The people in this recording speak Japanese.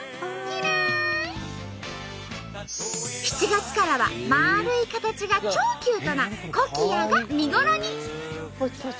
７月からは丸い形が超キュートなコキアが見頃に。